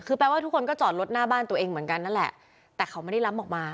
คือแปลว่าทุกคนก็จอดรถหน้าบ้านตัวเองเหมือนกันนั่นแหละแต่เขาไม่ได้ล้ำออกมา